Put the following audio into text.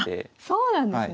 そうなんですね！